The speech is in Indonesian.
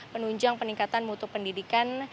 penunjang peningkatan mutu pendidikan